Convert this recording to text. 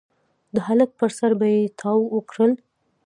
د هلک پر سر به يې تاو کړل.